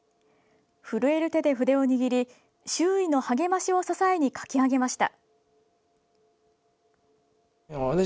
震える手で筆を握り周囲の励ましを支えに描き上げました。